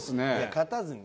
勝たずにね。